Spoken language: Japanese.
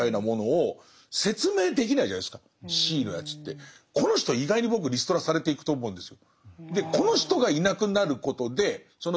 そのこの人意外に僕リストラされていくと思うんですよ。